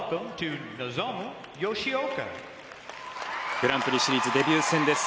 グランプリシリーズデビュー戦です。